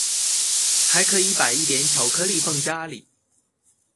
還可以擺一點巧克力放家裡